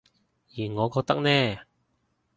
而我覺得呢